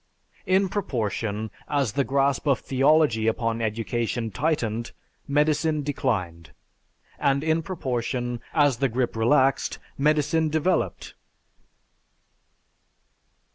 In proportion, as the grasp of theology upon education tightened, medicine declined, and in proportion, as the grip relaxed, medicine developed.